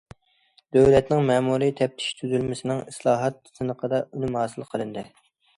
دۆلەتنىڭ مەمۇرىي تەپتىش تۈزۈلمىسىنىڭ ئىسلاھات سىنىقىدا ئۈنۈم ھاسىل قىلىندى.